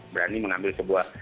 berani mengambil sebuah